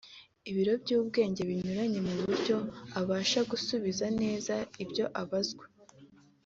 ibiro n’ubwenge binyuze mu buryo abasha gusubiza neza ibyo abazwa